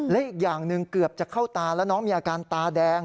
และอีกอย่างหนึ่งเกือบจะเข้าตาแล้วน้องมีอาการตาแดง